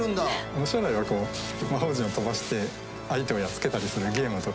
面白いのが魔法陣を飛ばして相手をやっつけたりするゲームとか。